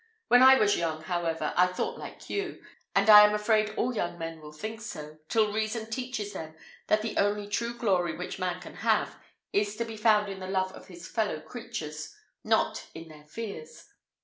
When I was young, however, I thought like you, and I am afraid all young men will think so, till reason teaches them that the only true glory which man can have, is to be found in the love of his fellow creatures, not in their fears.